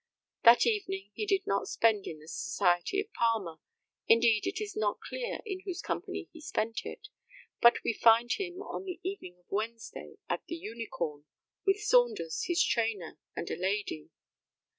That evening he did not spend in the society of Palmer; indeed, it is not clear in whose company he spent it. But we find him on the evening of Wednesday at the "Unicorn," with Saunders, his trainer, and a lady.